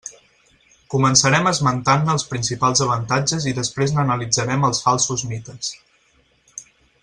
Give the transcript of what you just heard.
Començarem esmentant-ne els principals avantatges i després n'analitzarem els falsos mites.